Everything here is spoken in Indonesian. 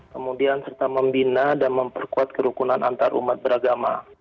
kemudian serta membina dan memperkuat kerukunan antarumat beragama